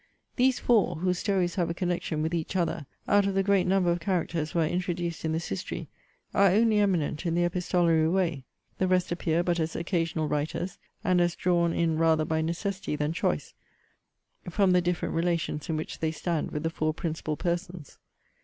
These FOUR, (whose stories have a connection with each other,) out of the great number of characters who are introduced in this History, are only eminent in the epistolary way: the rest appear but as occasional writers, and as drawn in rather by necessity than choice, from the different relations in which they stand with the four principal persons.